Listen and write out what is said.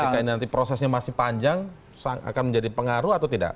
apakah ini nanti prosesnya masih panjang akan menjadi pengaruh atau tidak